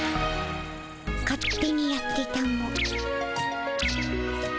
勝手にやってたも。